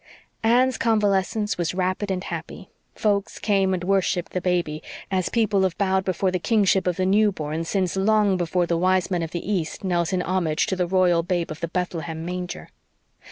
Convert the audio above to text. Anne's convalescence was rapid and happy. Folks came and worshipped the baby, as people have bowed before the kingship of the new born since long before the Wise Men of the East knelt in homage to the Royal Babe of the Bethlehem manger.